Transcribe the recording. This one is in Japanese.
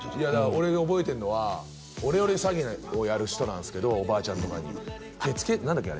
俺が覚えてるのはオレオレ詐欺をやる人なんすけどおばあちゃんとかに何だっけ？